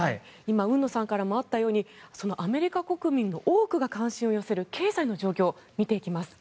海野さんからもあったようにアメリカ国民の多くが関心を寄せる経済の状況、見ていきます。